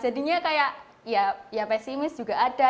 jadinya kayak ya pesimis juga ada